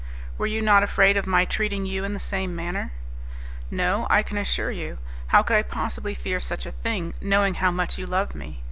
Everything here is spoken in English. "Were you not afraid of my treating you in the same manner?" "No, I can assure you. How could I possibly fear such a thing, knowing how much you love me?